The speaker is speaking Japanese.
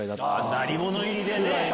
鳴り物入りでね。